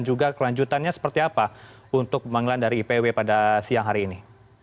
dan juga kelanjutannya seperti apa untuk pemanggilan dari ipw pada siang hari ini